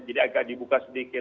jadi agak dibuka sedikit